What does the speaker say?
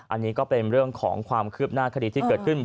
อันนี้ก็เป็นเรื่องของความคืบหน้าคดีที่เกิดขึ้น